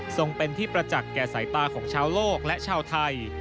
ส่งเป็นที่ประจักษ์แก่สายตาของชาวโลกและชาวไทย